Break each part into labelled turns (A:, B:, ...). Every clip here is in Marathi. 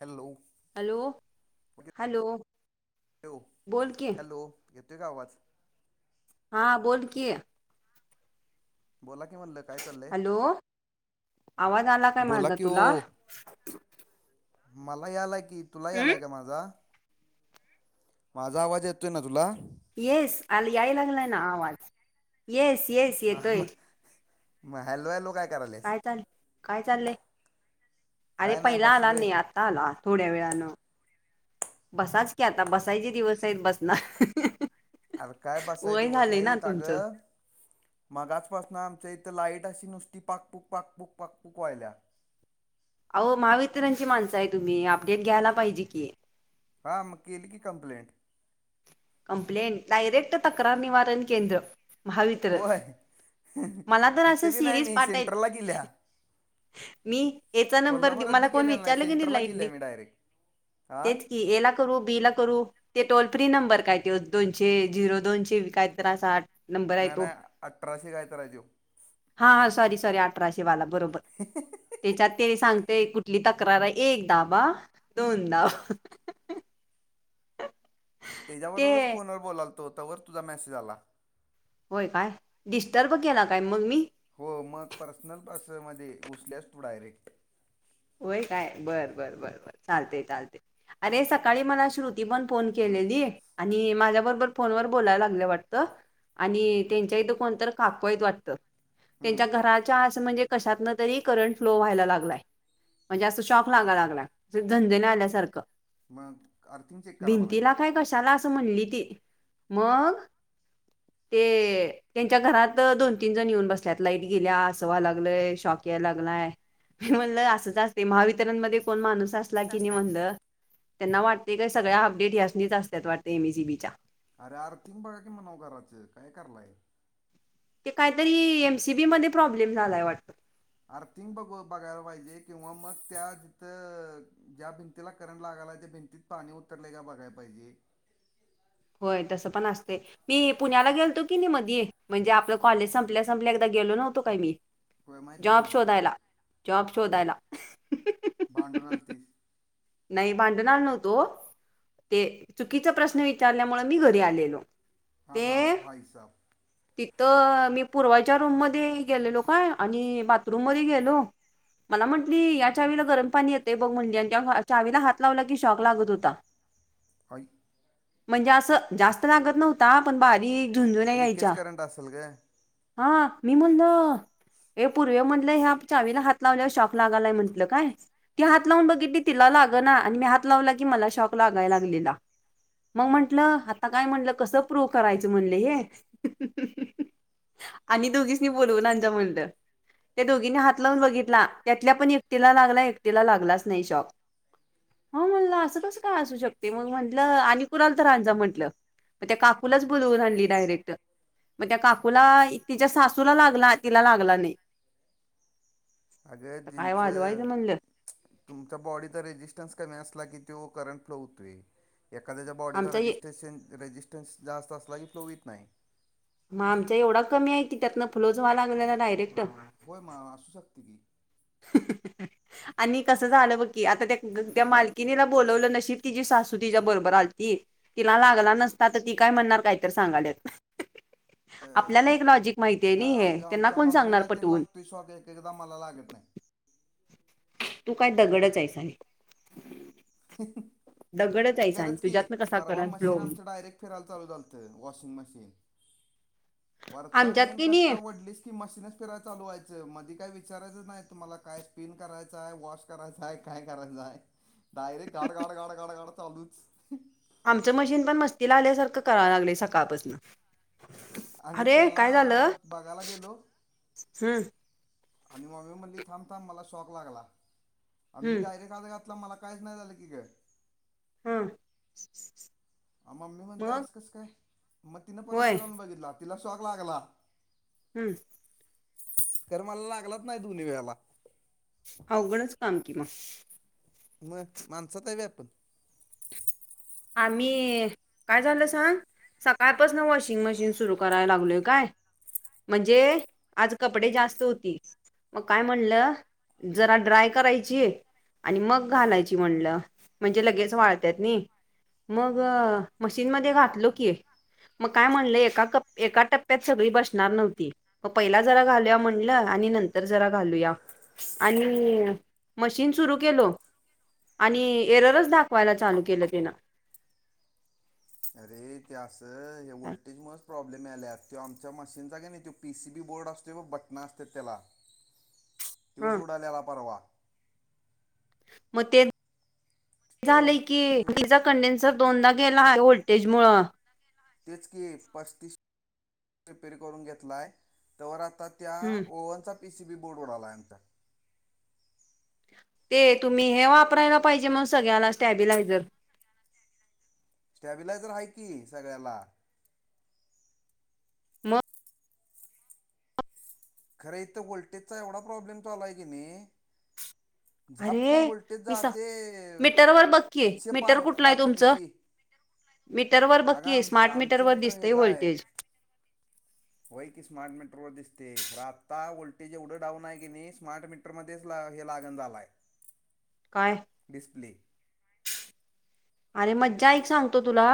A: हॅलो
B: हॅलो हॅलो
A: [unintelligible]
B: बोल की
A: हॅलो येतो काय आवाज?
B: हां बोल कि.
A: बोला कि म्हणल काय चाललय
B: हॅलो आवाज आला काय
A: बोला
B: माझा
A: कि
B: तुला
A: हो? मला यायलाय की तुला
B: हम्म
A: यालाय की माझा? माझा आवाज येतोय ना तुला?
B: येस आ याय लागलाय ना आवाज. येस येस
A: हां
B: येतोय
A: म मग हॅलो हॅलो काय. करायलेस
B: काय चाल काय चाललंय अरे
A: काय नाही
B: पहिला आला
A: बसलोय
B: नीहार. आला थोड्या वेळान. बसाच की आता बसायचे दिवस आहेत बसणार
A: अर काय बसाय
B: वय
A: दिवस
B: झाले ना
A: आहेत त
B: तुमचं
A: अगं मागच पासन आमच्या इथं लाइट अशी नुसती पाकपूक पाकपूक पाकपूक व्हायल्या.
B: अहो महावितरणची माणसं आहे तुम्ही अपडेट घ्यायला पाहिजे की.
A: हा मग केली की कंप्लेंट.
B: कंप्लेंट डायरेक्ट तक्रार निवारण केंद्र. महावितरण
A: होय
B: मला तर असं
A: इथं बी नाही
B: सिरीज
A: मी
B: पाठ
A: सेंटरला गेल्या
B: आहेत मी याचा नंबर दे
A: कोल्हापुरात
B: मला
A: बी
B: कोण
A: केलेला
B: विचारल की नाही
A: सेंटरला
B: लाईट
A: गेल्या
B: नाही.
A: मी डायरेक्ट
B: तेेच
A: हा
B: की एला [unintelligible] बि करू ते टोल फ्री नंबर काय दोनशे झिरो दोनशे काय तर असा. नंबर आहे
A: नाय
B: तो
A: नाय अठराशे काय तर हाय त्यो
B: हा हा सॉरी सॉरी अठराशे वाला बरो
A: [unintelligible]
B: त्याच्यात ते सांगते कुठली तक्रार ये एक दाबा दोन धाब ते
A: त्याच्याबरोबरच फोनवर बोलालतो तवर तुझा मेसेज आला.
B: होय काय डिस्टरर्ब केला काय मंग मी
A: हो मग पर्सनल पर्ससमध्ये घुसल्यास तू डायरेक्ट
B: होय काय बरं बर बर बर चालते चालते अरे सकाळी मला श्रुत ती पण फोन केलेली आणि माझ्याबरबर फोनवर बोलायला लागलंय वाटतं आणि त्यांच्या इथं कोणत काकू हायत वाटतं-
A: हम्म,
B: त्यांच्या घराच्या अस म्हणजे कशातन तरी करंट फ्लो व्हायला लागलाय म्हणजे असं शॉक लागाला लागला अस झणझन्या आल्या आल्यासारखं
A: मग अर्थिंग चेक करा म्हणायचं
B: भिंतीला काय कशाला असं म्हणली ती मग [unintelligible] ते त्यांच्या घरात दोन तीन जण येऊन बसल्यात लाईट गेल्या अस व्हाय लागलय शॉक याय लागलाय. मी म्हणल असंच असते महावितरणमध्ये कोण माणूस असला की नी म्हणलं त्यांना वाटते काय सगळ्या अपडेट ह्यास्नीच असत्यात वाटते एम ए सी बी च्या
A: अरे आर्थिंग बघा की म्हणाव घराचं काय करलाय
B: क कायतरी एम सी बी मध्ये प्रॉब्लेम झालाय वाटत.
A: आर्थिंग बघ बघायला पाहिजे किंवा मग त्या जिथं ज्या भिंतीला करंट लागालाय त्या भिंतीत पाणी उतरलय काय बघाय पाहिजे.
B: होय तसं पण असतंय मी पुण्याला गेलतो की नी मधी म्हणजे आपलं कॉलेज संपल्यास संपल्या एकदा गेलो नव्हतो काय मी
A: तुला माहिती आहे
B: जॉब
A: का मला
B: शोधायला जॉब शोधायला
A: भांडून आलतीस
B: नाही भांडून आलो नव्हतो ते चुकीचा प्रश्न विचारल्यामुळे मी घरी आलेलो.
A: हा हा हो
B: ते
A: भाईसाब
B: तिथं मी पूर्वाच्या रूम मध्ये गेलेलो काय आणि बाथरूम मध्ये गेलो मला म्हटंली या चावीला गरम पाणी येते बघ म्हणली आणि त्या चावीला हात लावला की शॉक लागत होता.
A: काय?
B: म्हणजे असं जास्त लागत नव्हता पण बारी झुंणजूण्या
A: लिकेज
B: यायच्या
A: करंट असेल ग
B: हा मी म्हनलं हे पूर्वे म्हणले ह्या चावीला हात लावल्यावर शॉक लागालाय म्हटलं काय ती हात लावून बघितली तिला लागना आणि मी हात लावला की मला शॉक लागाय लागलेला मंग म्हंटलं आता काय म्हटलं कसं प्रूव करायचं म्हणलं हे आणि दोघीसनी बोलवून आण जा म्हणलं त्या दोघीनी हात लावून बघितला त्यातल्या पण एकटीला लागला एकटीला लागलाच नाही शॉक हो म्हणलं असं कस काय असू शकते मग म्हटलं आणि कुणाल तर आण जा म्हटलं म त्या काकूलाच बोलवून आणली डायरेक्ट म त्या काकूला तिच्या सासूला लागला तिला लागला नाही.
A: अग
B: तर काय
A: जींचं
B: वाजवायचं म्हणलं
A: तुमचा बॉडीत रेजिस्टन्स कमी असला की तो करंट फ्लो होतोय. एखाद्याच्या बॉडीचा
B: आमचा
A: रेजिस्ट्रेशन रेजिस्टन्स जास्त असला की फ्लो येत नाय
B: म आमच्या एवढा कमी हाय की त्यातनं फ्लो च व्हायला लागलेला डायरेक्ट
A: होय मा असू शकतं की
B: ह [unintelligible] आणि कसं झालं बरं की आंता त्यां त्यां मालकीनीला बोलवलं नशीब तिची सासू तिच्या बरोबर आलती तिला लागलां नसतां तरं ती कायं म्हणणांर कांहीतरी सांगाल्यात आपल्याला एक लॉजिक माहिती आहे नां हे त्यांना कोणं सांगणार पाठवूंन
A: ते सॉकेट एकदाचं मलां लागतं नाहीं
B: तूं कायं दगडचं आहेस आरे
A: अं
B: दगडच आहेस आणि
A: खरंच की
B: तुझ्यातन कसा
A: पर्वा
B: करल फ्लो
A: मशीन
B: होईल
A: आमच्या डायरेक्ट फिरायंला चालूं झालंय वॉशिंग मशीन वरचां
B: आमच्यात
A: मेन
B: की
A: खटकां
B: नाही
A: वढलीस की मशीनस फिरांय चालूं वायुंचा मधी कायं विचारायचं नाहीं तुम्हांला कायं स्पिन करायचं आहे वॉश करायचां आहे कायं करायचं आहे डायरेक्ट गंड गंड गांड गंड गांड चालूंच
B: आमचं मशीन पणं मस्तीला आल्यासारखं करायंला लागले सकाळपासून
A: आणि
B: अरे
A: त्यांला बघांयला गेलो
B: हम्मं
A: आणि मम्मी मधली थांब थांब मलां शॉक लागंला आणि मी
B: हम्म
A: डायरेक्ट हात घातलां मलां काहींचं नाहीं झालं की गं
B: हम्म
A: आं मम्मी म्हणते
B: मग
A: आंस कसं कायं मंग तिनं परंत हात
B: होय
A: घालूंन बघितला तिला शॉक लागंला
B: हम्मं
A: मलां लागतं नाहीं दोन्ही वेळालां
B: अवघडचं कामं कि मंग
A: मंग माणसांत आहे व्हयं आपणं
B: आम्हीं कायं झालं सांग सकाळंपासून वॉशिंग मशीन सुरूं करांयला लागलोय कायं म्हणजे आंज कपडे जास्तं होती मंग कायं म्हणलं जरां ड्राय करायची आणि मंग घालायची म्हणलं म्हणजे लगेच वाळत्याति नाहीं मंग मशीन मध्यें घातलो की. मंग कायं म्हणलं, एका एका टप्प्यांत सगळी बसणारं नव्हती. मं पहिला जरां घालूंया म्हणलं आणि नंतर जरां घालूंया. आणि मशीन सुरूं केलं. आणि एररत्चं दाखंवायला चालूं केलं त्यानं.
A: अरे ते असं हे
B: काय
A: व्होल्टेज मंच प्रॉब्लेम आले ते आमच्या मशीनचागे नाहीं ते. पी सी बी बोर्ड असते वं बटनां असते त्यांला.
B: [unintelligible] ह
A: तवसं उडाल्यांला उद्यां पर्वा.
B: मंग ते
A: तो
B: झालंय की
A: तो
B: कंडेन्सर दोनदा गेलां हायं व्होल्टेज मुळं
A: तेचं की पस्तीस रिपेरी करूंन घेतलांय तंवर आंता. त्यां
B: हम्म
A: ओव्हनचा पी सी बी बोर्डवर आंला आमच्या.
B: ते तुम्हीं हे वापरांयला पाहिजे मंग सगळ्यांना स्टॅबिलायझर.
A: स्टॅबिलायझर आहे की सगळ्यांला.
B: मंग.
A: खरं इथं वोल्टेजचा एवढां प्रॉब्लेम तो आंला आहे की नाहीं.
B: अरे मी सांग
A: जाते
B: मीटरवरर बघकी
A: तीनशे
B: मीटर
A: पार
B: कुठलं आहे तुमचं?
A: बाकादिशी
B: मीटरवर
A: अगं
B: बघकी
A: आमचं
B: स्मार्ट
A: आमचं
B: मीटरवर
A: मीटर
B: दिसतेय
A: ह्याचं आहे
B: व्होल्टेज
A: होय की स्मार्ट मीटर वर दिसते खरं आत्ता व्होल्टेज एवढं डाऊन आहे की नाही स्मार्ट मीटर मध्येच ला हे लागन झालाय
B: काय
A: डीसप्ले
B: अरे मज्जा ऐक सांगतो तुला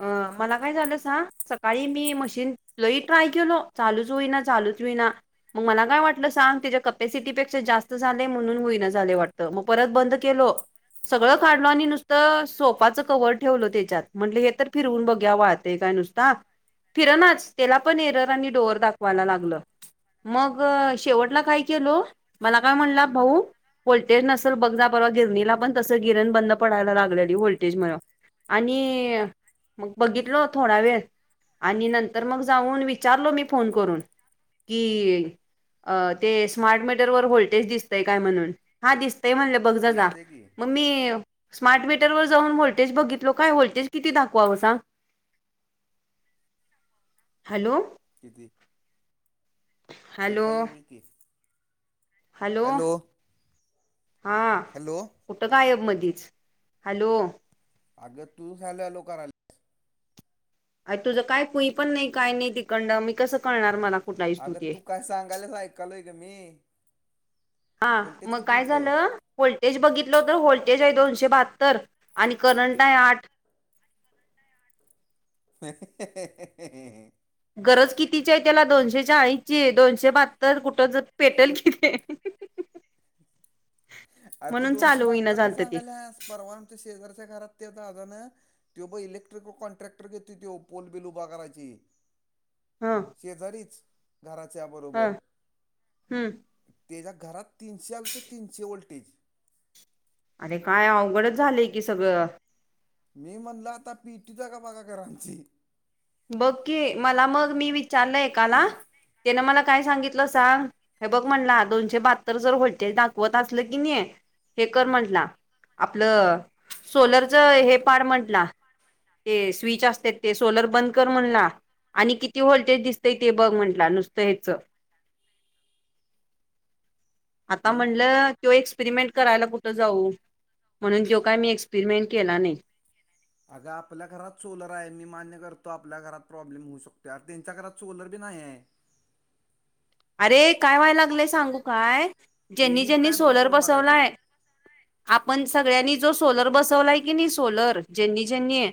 B: अ मला काय झालं सांग सकाळी मी मशीन लई ट्राय केलो चालूच होईना, चालूच होईना मग मला काय वाटलं सांग तिच्या कपॅसिटीपेक्षा जास्त झाले म्हणून होईना झाले वाटत मग परत बंद केलो सगळं काढल आणि नुस तर सोफाचं कवर ठेवलं त्याच्यात म्हटलं हे तर फिरवून बघूया वळतय काय नुसता फिरनाच त्याला पण एरर आणि डोअर दाखवायला लागलं मग शेवटला काय केलो मला काय म्हणला भाऊ व्होल्टेज नसल बघ, जा परवा गिरणीला पण तसं गिरण बंद पडायला लागलेली होल्टेजमुळे आणि मग बघितलो थोडा वेळ आणि नंतर मग जाऊन विचारलो मी फोन करून कि अ ते स्मार्ट मीटर वर व्होल्टेज दिसतंय काय म्हणून हा दिसतंय म्हणलं बघ जा जा
A: दिसते की
B: मग मी स्मार्ट मीटरवर जाऊन व्होलटेज बघितल काय व्होल्टेज किती दाखवावं सांग हॅलो
A: किती
B: हॅलो
A: ऐकायलोय बोल की
B: हॅलो हा
A: हॅलो
B: हॅलो कुठ गयब मधीच हॅलो
A: अगं तूच हॅलो, हॅलो करायली
B: अर तुझं काय कुई पण नाही काय नाही तिकंडन मी कसं कळणार मला कुठला आहेस
A: अगं
B: ते
A: तू काय सांगायलाच ऐकालोय ग मी
B: हा
A: व्होल्टेज
B: मग
A: किती
B: काय
A: होतं
B: झालं व्होल्टेज बघितलं तर व्होल्टेज आहे दोनशे बहात्तर आणि करंट आहे आठ
A: [unintelligible]
B: गरज कितीची आहे त्याला दोनशे चाळीसची आहे दोनशे बाहत्तर कुठं ज पेटेल कि ते
A: आर तू
B: म्हणून
A: दोनशे
B: चालू होईना
A: बहात्तर काय
B: झालत ते
A: सांगायल्यास परवा आमच्या शेजारच्या घरात त्या दादान त्यो ब इलेक्ट्रिकल कॉन्ट्रॅक्टर घेतोय त्यो पोल, बिल उभा करायचे
B: हां
A: शेजारीच घराच्या बरोबर
B: हम्म
A: त्याच्या घरात तिनशे अलतं तीनशे वॉल्टेज
B: अरे काय अवघडच झालेय की सगळं
A: मी म्हणलं आता पेटवतो आहे का बघा घरं आमची
B: बघ की मला मग मी विचारलं एकाला त्यानं मला काय सांगितलं सांग हे बघ म्हटला दोनशे बहात्तर जर व्होल्टेज दाखवत असलं की नाही हे कर म्हंटला आपलं सोलरच हे पाड म्हटला ते स्विच असते ते सोलर बंद कर म्हणला, आणि किती व्होल्टेज दिसतंय ते बघ म्हटला नुसतं हेचं. आता
A: मग
B: म्हणलं त्यो एक्सपेरिमेंट करायला कुठं जाऊ? म्हणून त्यो काय मी एक्सपेरिमेंट केला नाही.
A: अग आपल्या घरात सोलर हाय, मी मान्य करतो आपल्या घरात प्रॉब्लेम होऊ शकतोय, त्यांच्या घरात सोलर बी नाही हाय.
B: [unintelligible] अरे, काय व्हाय लागलंय सांगू काय, ज्यांनी-
A: तिने
B: ज्यांनी
A: काय बंद
B: सोलर
A: करून बघायचं
B: बसवलाय आपण सगळ्यांनी जो सोलर बसवलाय की नी सोलर, ज्यांनी- ज्यांनी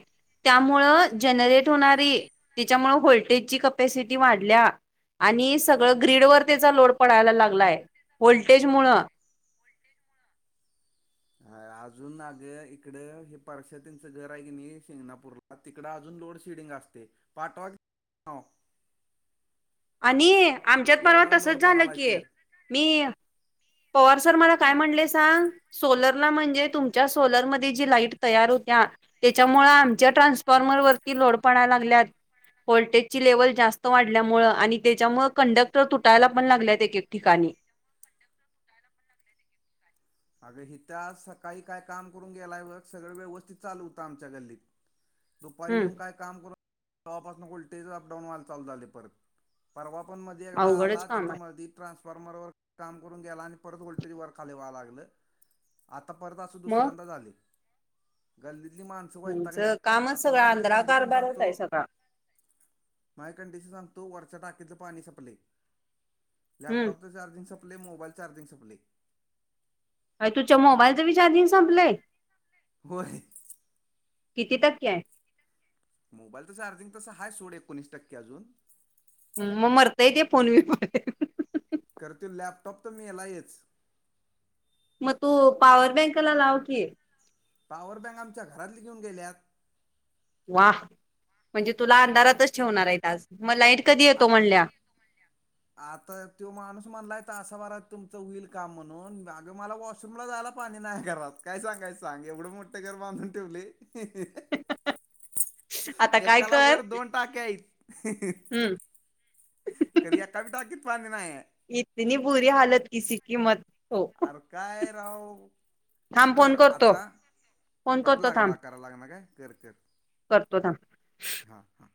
B: त्यामुळं जनरेट होणारी, त्याच्यामुळ व्होल्टेजची कपॅसिटी वाढलीया. आणि सगळं ग्रीडवर त्याचा लोड पडायला लागलाय, व्होल्टेजमुळ.
A: ह, अजून अग इकड हे पार्शात्येच घर हाय कणी शिंगणापूरला तिकडं अजून लोड शेडिंग असतंय, पाठवा कि म्हणाव.
B: आणि, आमच्यात परवा
A: एवढा लोड
B: तसंच झालं
A: पडालाय
B: की,
A: तर
B: मी पवार सर मला काय म्हणले सांग? सोलरला म्हणजे, तुमच्या सोलरमध्ये जी लाईट तयार होतिया त्याच्यामुळ आमच्या ट्रान्सफॉर्मर वरती लोड पडाय लागल्यात व्होलल्टेजची लेवल जास्त वाढल्यामुळ आणि त्याच्यामुळ कंडक्टर तुटायला पण लागलेत एक-एक ठिकाणी.
A: अगं हितं आज सकाळी काय काम करून गेलाय बघ, सगळं व्यवस्थित चालू होतं आमच्या गल्लीत
B: [unintelligible]
A: दुपारी येऊन काय कामं करून, तेव्हापासून व्होल्टेजच अपडाऊन व्हाय चालू झालंय परत परवा पण मध्ये एकदा
B: अवघडच
A: आला,
B: काम
A: तिथं
B: आहे
A: मधी ट्रान्सफॉर्मरवर काम करून गेला, आणि परत व्होल्टेज वर खाली व्हांय लागलं. आता परत असं
B: मग
A: दुसऱ्यांदा झालंय, गल्लीतली माणसं वैतागल्यात,
B: तुमचं कामच
A: आता
B: सगळा
A: माया इथं
B: आंधळा
A: कंडिशन
B: कारभारच आहे
A: सांगतो
B: सगळा
A: माइ कंडिशन सांगतो वरच्या टाकीतलं पाणी सपलंय.
B: हम्म
A: लॅपटॉपचं चार्जिंग सपलंय, मोबाईलचं चार्जिंग सपलंय.
B: अर तुच्या मोबाईलचं बी चार्जिंग संपलंय.
A: होय
B: किती टक्के हाय?
A: मोबाईलचं चार्जिंग तसं हाय सोड, एकोणीस टक्के अजून
B: हम्म मग मरताय ते फोन बी तोपर्यंत.
A: खरं ते लॅपटॉप तर मेलायच.
B: म तु पावर बँकला लाव की.
A: पॉवर बँक आमच्या घरातली घेऊन गेल्यात.
B: वाह! म्हणजे तुला अंधारातच ठेवणार आहेत आज, मग लाईट कधी
A: आत
B: येतो म्हणल्या?
A: आता तो माणूस म्हणलाय तासा भरात तुमचं होईल काम म्हणून, अग मला वॉश वॉशरूमला जायला पाणी नाही घरात, काय सांगयचं सांग एवढं मोठं घर बांधून ठेवलंय.
B: आता काय
A: एकाला
B: कर
A: वर दोन टाक्या आहेत.
B: हम्म.
A: खरं एका बी टाकीत पाणी नाही हाय.
B: इतनी बुरी हालत किसी कि मत. हो
A: अर काय राव,
B: थांब फोन
A: बरं
B: करतो
A: आता,
B: फोन
A: परत
B: करतो थांब
A: लागला का? कॉल लागणा कां? कर, कर.
B: करतो थांब.
A: हां हां.